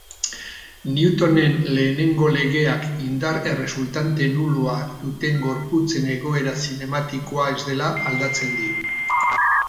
Newtonen lehenengo legeak indar erresultante nulua duten gorputzen egoera zinematikoa ez dela aldatzen dio.